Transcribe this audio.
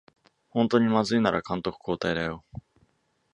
ほんとにまずいなら監督交代だよ